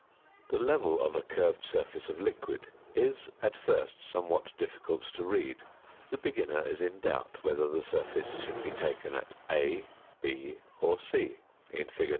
The level of a curved surface of liquid is at first somewhat difficult to read: the beginner is in doubt whether the surface should be taken at A, B, or C (fig.